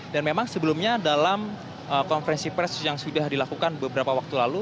dan memang sebelumnya dalam konferensi press yang sudah dilakukan beberapa waktu lalu